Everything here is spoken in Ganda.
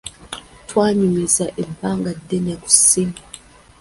Twanyumizza ebbanga ddene ku ssimu.